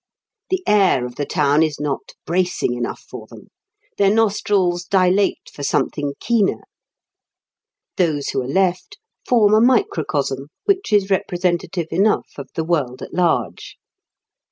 The air of the town is not bracing enough for them. Their nostrils dilate for something keener. Those who are left form a microcosm which is representative enough of the world at large.